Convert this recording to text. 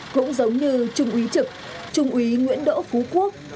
cũng giống như trung úy trực trung úy nguyễn đỗ phú quốc